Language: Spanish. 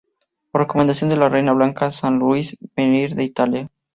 Por recomendación de la reina Blanca, San Luis los hizo venir de Italia.